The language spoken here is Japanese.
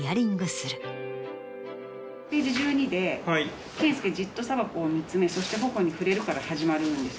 ページ１２で「健介じっとサワコを見つめそして頬に触れる」から始まるんですよね。